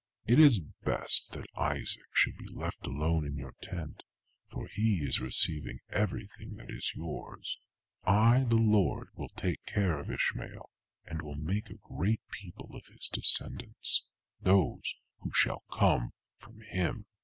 It is best that Isaac should be left alone in your tent, for he is to receive everything that is yours. I the Lord will take care of Ishmael, and will make a great people of his descendants, those who shall come from him."